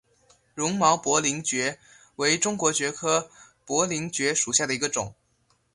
绒毛薄鳞蕨为中国蕨科薄鳞蕨属下的一个种。